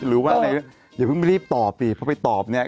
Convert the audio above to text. หรือว่าอย่าเพิ่งรีบตอบสิเพราะไปตอบเนี่ย